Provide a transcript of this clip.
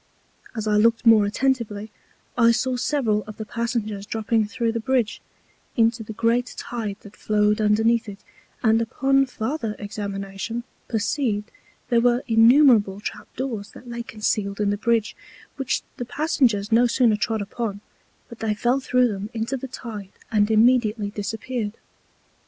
As I looked more attentively, I saw several of the Passengers dropping thro' the Bridge, into the great Tide that flowed underneath it; and upon farther Examination, perceived there were innumerable Trap doors that lay concealed in the Bridge, which the Passengers no sooner trod upon, but they fell thro' them into the Tide and immediately disappeared.